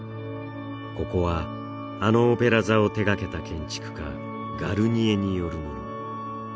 ここはあのオペラ座を手がけた建築家ガルニエによるもの